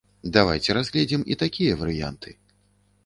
Давайце разгледзім і такія варыянты.